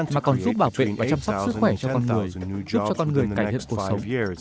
mà còn giúp bảo vệ và chăm sóc sức khỏe cho con người giúp cho con người cải thiện cuộc sống